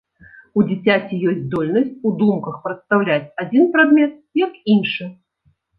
У дзіцяці ёсць здольнасць у думках прадстаўляць адзін прадмет як іншы.